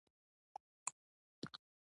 چا به چای، اوبه یا اناري سټینګ وڅښل.